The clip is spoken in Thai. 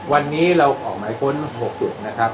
วันนี้เราออกหมายค้น๖จุดนะครับ